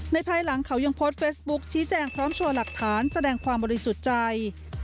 ภายหลังเขายังโพสต์เฟซบุ๊คชี้แจงพร้อมโชว์หลักฐานแสดงความบริสุทธิ์ใจ